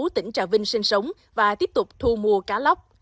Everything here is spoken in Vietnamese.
tỉnh trà vinh sinh sống và tiếp tục thu mua cá lóc